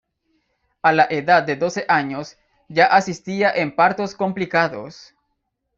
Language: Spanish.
A la edad de doce años, ya asistía en partos complicados.